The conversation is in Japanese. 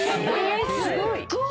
すっごい！